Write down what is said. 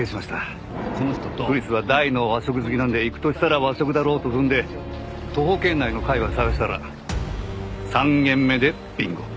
クリスは大の和食好きなので行くとしたら和食だろうと踏んで徒歩圏内の界隈探したら３軒目でビンゴ！